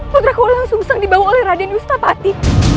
putraku walang sungsang dibawa oleh raden wistapati